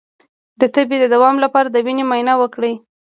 د تبې د دوام لپاره د وینې معاینه وکړئ